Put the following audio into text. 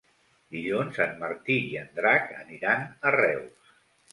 Dilluns en Martí i en Drac aniran a Reus.